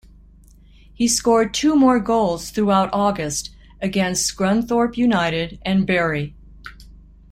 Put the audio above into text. He scored two more goals throughout August against Scunthorpe United and Bury.